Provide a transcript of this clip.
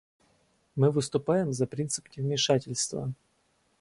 Мы выступаем за принцип невмешательства.